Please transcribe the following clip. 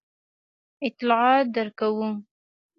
اطلاعات درکوو.